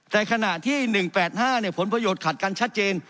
แต่ขณะที่๑๘๕ผลประโยชน์ขัดกันชัดเจน